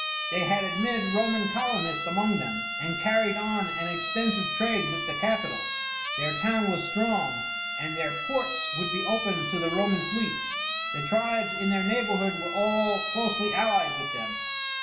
They had admitted Roman colonists among them, and carried on an extensive trade with the capital. Their town was strong, and their ports would be open to the Roman fleets. The tribes in their neighourhood were all closely allied with them.